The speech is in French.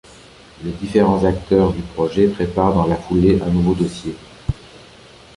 Les différents acteurs du projet préparent dans la foulée un nouveau dossier.